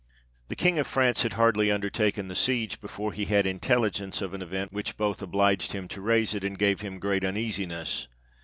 The King of France had hardly undertaken the siege, before he had intelligence of an event, which both obliged him to raise it, and gave him great uneasiness.